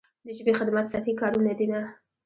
د ژبې خدمت سطحي کارونه دي نه.